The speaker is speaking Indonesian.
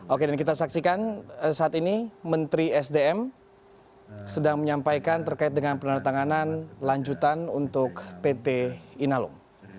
oke dan kita saksikan saat ini menteri sdm sedang menyampaikan terkait dengan penandatanganan lanjutan untuk pt inalum